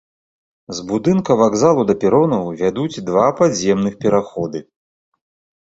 З будынка вакзалу да перонаў вядуць два падземных пераходы.